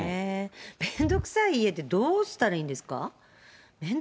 めんどくさい家をどうしたらいいんですか？